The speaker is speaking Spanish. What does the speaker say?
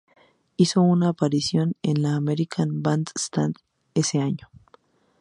Hizo una aparición en la American Bandstand ese año.